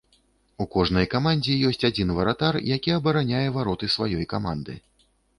У кожнай камандзе ёсць адзін варатар, які абараняе вароты сваёй каманды.